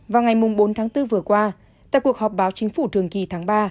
vào ngày bốn tháng bốn vừa qua tại cuộc họp báo chính phủ thường kỳ tháng ba